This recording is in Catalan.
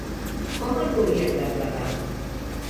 Com el volien declarar?